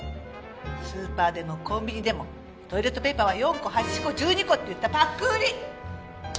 スーパーでもコンビニでもトイレットペーパーは４個８個１２個っていったパック売り。